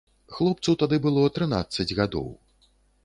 Хлопцу тады было трынаццаць гадоў.